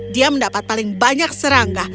dia mendapat paling banyak serangga